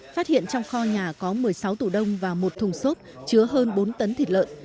phát hiện trong kho nhà có một mươi sáu tủ đông và một thùng xốp chứa hơn bốn tấn thịt lợn